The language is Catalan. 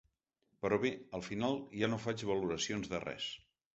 Però bé, al final ja no faig valoracions de res.